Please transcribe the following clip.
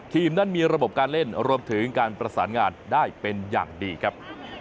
ทีมนั้นมีระบบการเล่นรวมถึงการประสานงานได้เป็นอย่างดีครับ